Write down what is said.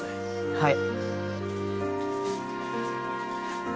はい。